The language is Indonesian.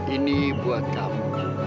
ini buat kamu